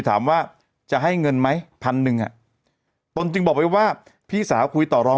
ถามว่าจะให้เงินไหม๑๐๐๐บาทจริงบอกไว้ว่าพี่สาวคุยต่อรอง